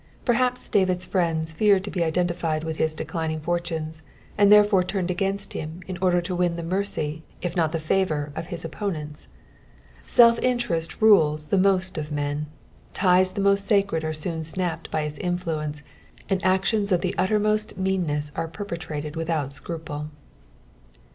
Perhaps DaTid''8 friends feared to be identified wiih bis declining fortunes, and therefore turned against him in order to win the mercy if not the favour of his opponents. Self interest rules the most of men : ties the most sacred are soon snapped by its influence, and actions of the utmost meanness are perpetrated without scruple.